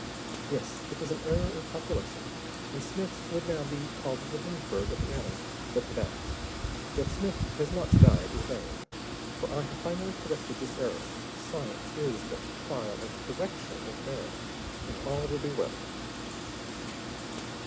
Yes, it was an error in calculation, and Smith would now be called the Lindbergh of the Atom but for that. Yet Smith has not died in vain, for I have finally corrected this error science is but trial and correction of error and all will be well."